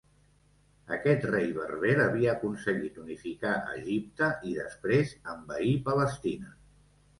Aquest rei berber havia aconseguit unificar Egipte i després envair Palestina.